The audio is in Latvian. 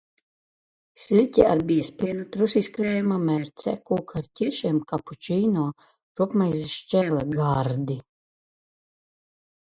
Siļķe ar biezpienu, trusis krējuma mērcē, kūka ar ķiršiem, kapučino, rupjmaizes šķēle. Gardi!